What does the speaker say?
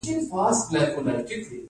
د انارو صادرات د اقتصاد لپاره مهم دي